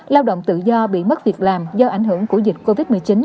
lao động tự do bị mất việc làm do ảnh hưởng của dịch covid một mươi chín